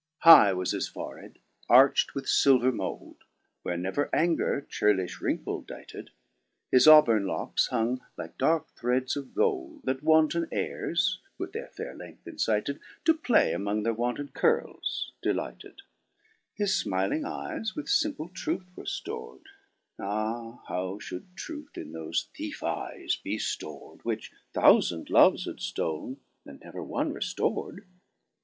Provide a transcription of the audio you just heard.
3 High was his fore head, arch't with filver mould, (Where never anger churlifti rinkle dighted,) His auburne lockes hung like darke threds of gold. That wanton aires (with their faire length incited) To play among their wanton curies delighted ; His fmiling eyes with fimple truth were ftor'd : Ah ! how fhould truth in thofe thiefe eyes be ftor'd. Which thoufand loves had ftoPn, and never one re ftor'd